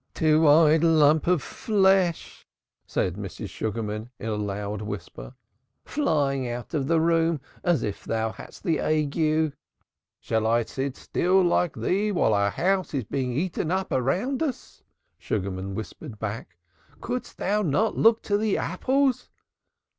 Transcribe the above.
Two eyed lump of flesh," said Mrs. Sugarman in a loud whisper. "Flying out of the room as if thou hadst the ague." "Shall I sit still like thee while our home is eaten up around us?" Sugarman whispered back. "Couldst thou not look to the apples?